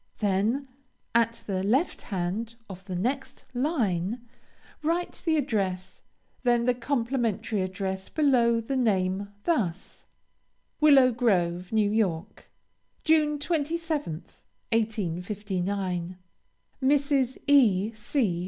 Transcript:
Then, at the left hand of the next line, write the address, then the complimentary address below the name; thus WILLOW GROVE, NEW YORK, June 27th, 1859. MRS. E. C.